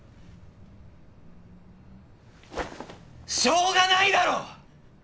しょうがないだろ！